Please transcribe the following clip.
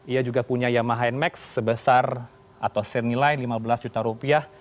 ia juga punya yamaha n max sebesar atau senilai rp lima belas juta